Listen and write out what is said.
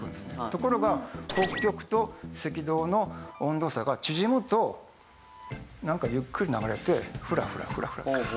ところが北極と赤道の温度差が縮むとなんかゆっくり流れてふらふらふらふらする。